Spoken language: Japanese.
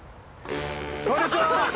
こんにちは。